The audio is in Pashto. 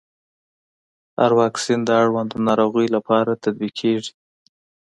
هر واکسین د اړوندو ناروغيو لپاره تطبیق کېږي.